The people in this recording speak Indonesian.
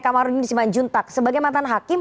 kamarudin siman juntak sebagai mantan hakim